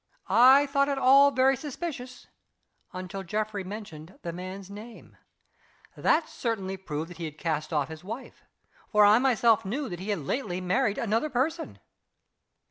I thought it all very suspicious until Geoffrey mentioned the man's name. That certainly proved that he had cast off his wife; for I myself knew that he had lately married another person."